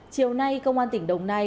chiều nay công an tỉnh đồng nai